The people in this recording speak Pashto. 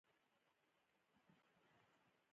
ایا ستاسو ملګرتیا ریښتینې ده؟